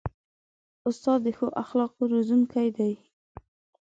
استاد د ښو اخلاقو روزونکی وي.